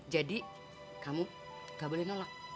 jadi kamu enggak boleh nolak